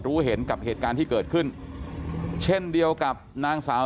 รู้เห็นกับเหตุการณ์ที่เกิดขึ้นเช่นเดียวกับนางสาว